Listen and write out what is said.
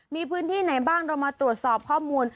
มีพื้นที่ไหนบ้างเรามาตรวจสอบข้อมูล